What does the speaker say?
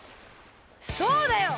そうだよ！